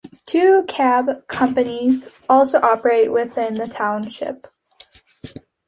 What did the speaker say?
Two cab companies also operate within the township.